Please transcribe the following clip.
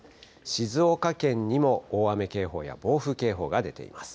静岡県にも大雨警報や暴風警報が出ています。